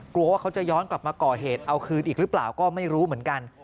กลัวว่าเขาจะย้อนกลับมาก่อเหตุเอาคืนอีกหรือเปล่าก็ไม่รู้เหมือนกัน